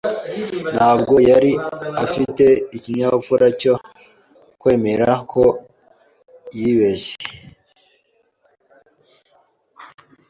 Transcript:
Ntabwo yari afite ikinyabupfura cyo kwemera ko yibeshye.